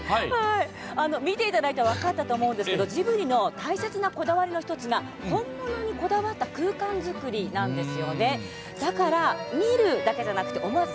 見ていただいて分かったと思うんですがジブリのこだわりの１つが本物にこだわった空間作りなんです。